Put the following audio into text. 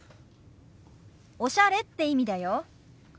「おしゃれ」って意味だよ。